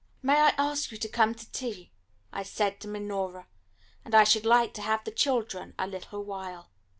"May I ask you to come to tea?" I said to Minora. "And I should like to have the children a little while."